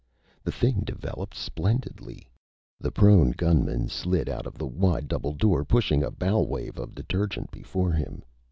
The thing developed splendidly. The prone gunman slid out of the wide double door, pushing a bow wave of detergent before him.